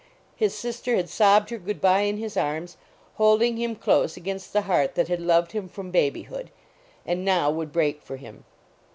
His sister had sobbed her good bye in his arms, holding him close against the heart that had loved him from babyhood, and now would break for him.